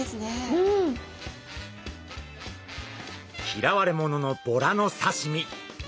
嫌われ者のボラの刺身。